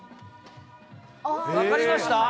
分かりました？